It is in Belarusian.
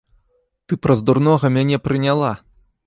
Ты праз дурнога мяне прыняла!